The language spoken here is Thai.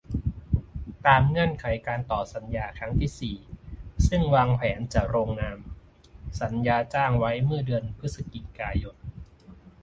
ตามเงื่อนไขการต่อสัญญาครั้งที่ สี่ ซึ่งวางแผนจะลงนามสัญญาจ้างไว้เมื่อเดือนพฤศจิกายน